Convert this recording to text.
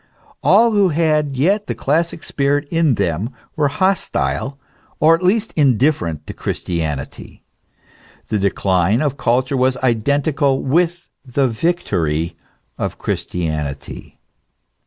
All who had yet the classic spirit in them were hostile, or at least indifferent to Christianity. The decline of culture was identical with the victory of Christianity.